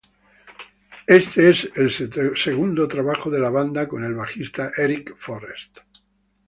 Este es el segundo trabajo de la banda con el bajista Eric Forrest.